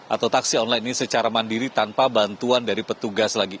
atau taksi online ini secara mandiri tanpa bantuan dari petugas lagi